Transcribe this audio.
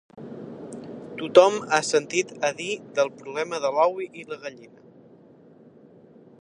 Tothom ha sentit a dir del problema de l'ou i la gallina.